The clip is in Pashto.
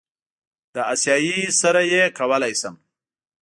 له آسیایي سره یې کولی شم.